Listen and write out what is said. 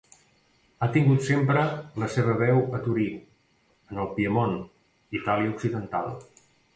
Ha tingut sempre la seva seu a Torí, en el Piemont, Itàlia occidental.